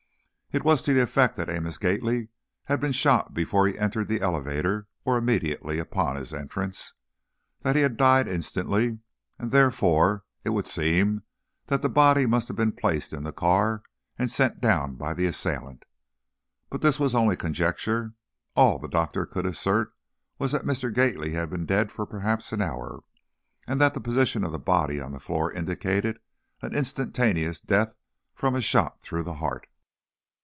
It was to the effect that Amos Gately had been shot before he entered the elevator or immediately upon his entrance. That he had died instantly, and, therefore it would seem that the body must have been placed in the car and sent down by the assailant. But this was only conjecture; all the doctor could assert was that Mr. Gately had been dead for perhaps an hour, and that the position of the body on the floor indicated an instantaneous death from a shot through the heart.